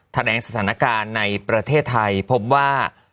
แสดงสถานการณ์ในประเทศไทยพบว่า